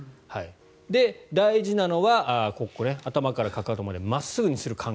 で、大事なのは頭からかかとまで真っすぐにする。